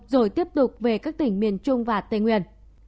rồi tiếp tục về các tỉnh miền trung và tây nguyên